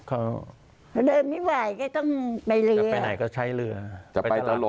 เขาเดินไม่ไหวก็ต้องไปเรือจะไปไหนก็ใช้เรือจะไปตลอด